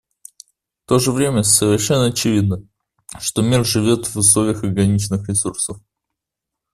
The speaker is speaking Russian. В то же время совершенно очевидно, что мир живет в условиях ограниченных ресурсов.